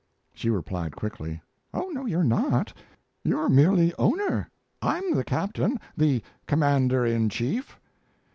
She replied, quickly: "Oh no, you're not. You're merely owner. I'm the captain the commander in chief."